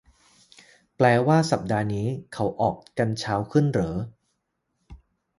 แปลว่าสัปดาห์นี้เขาออกกันเช้าขึ้นเหรอ